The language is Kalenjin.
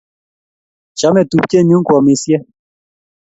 Chamei tupche nyu koamisyei